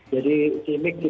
jadi cimic ini adalah